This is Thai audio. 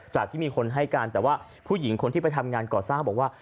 ที่มีคนให้การแต่ว่าผู้หญิงคนที่ไปทำงานก่อสร้างบอกว่า